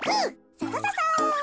ササササ。